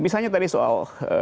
misalnya tadi soal